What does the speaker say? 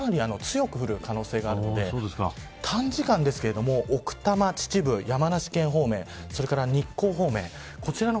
ここ、かなり強く降る可能性があるんで短時間ですけれども奥多摩、秩父、山梨県方面それから日光方面。